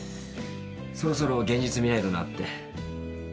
そろそろ現実を見ないとなって。